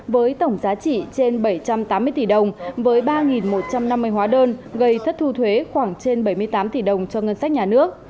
với tổng giá trị trên bảy trăm tám mươi tỷ đồng với ba một trăm năm mươi hóa đơn gây thất thu thuế khoảng trên bảy mươi tám tỷ đồng cho ngân sách nhà nước